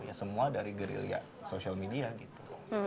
ya semua dari gerilya social media gitu